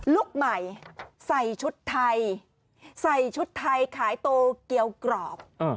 ลูกใหม่ใส่ชุดไทยใส่ชุดไทยขายโตเกียวกรอบ